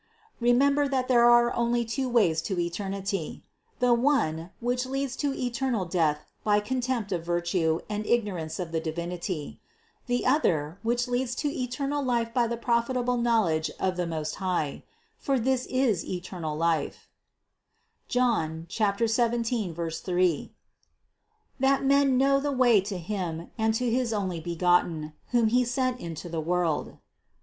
Remember that there are only two ways to eternity : the one, which leads to eternal death by contempt of virtue and ignorance of the Divinity; the other, which leads to eternal life by the profitable knowledge of the Most High ; for this is eternal life (Jno. 17, 3), that men know the way to Him and to his Onlybegotten, whom He sent into the world.